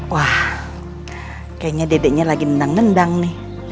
wah kayaknya dedeknya lagi nendang nendang nih